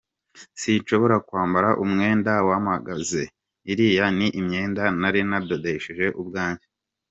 Sinshobora kwambara umwenda wa magasin, iriya ni imyenda nari nadodesheje ubwanjye.